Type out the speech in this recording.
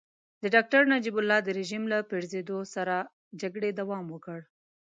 د ډاکټر نجیب الله د رژيم له پرزېدو سره جګړې دوام وکړ.